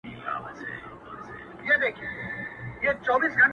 او پرې را اوري يې جانـــــانــــــه دوړي،